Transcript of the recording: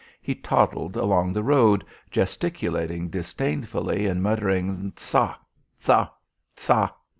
He toddled along the road, gesticulating disdainfully and muttering: "Ca! Ca! Ca!"